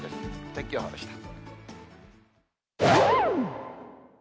天気予報でした。